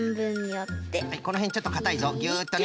このへんちょっとかたいぞギュッとね。